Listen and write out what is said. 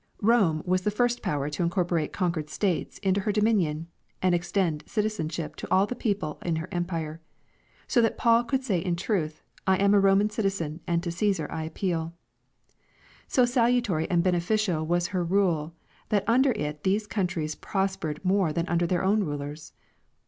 A. D. 200. Rome was the first power to incorporate conquered states into her dominion and extend citizenship to all the people in her empire; so that Paul could say in truth, '' I am a Roman citizen and to Ccesar I appeal." So salutary and beneficial was her rule that under it these countries prospered more than under their own rulers.